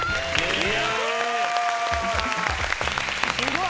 すごい！